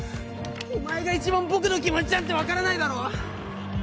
お前が一番僕の気持ちなんてわからないだろ！